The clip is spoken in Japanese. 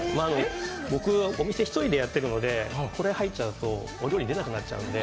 僕、お店を１人でやっているので、これが出ちゃうとお料理、出なくなっちゃうので。